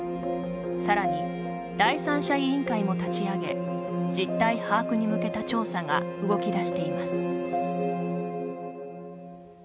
さらに第三者委員会も立ち上げ実態把握に向けた調査が動き出しています。